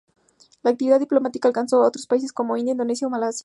La actividad diplomática alcanzó a otros países como India, Indonesia o Malasia.